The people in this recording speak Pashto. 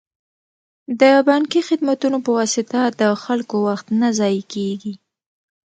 د بانکي خدمتونو په واسطه د خلکو وخت نه ضایع کیږي.